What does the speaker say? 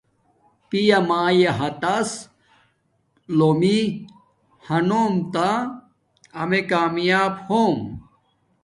پیامایے ہاتس لومی ھنوم تا امیے کامیاپ ہوم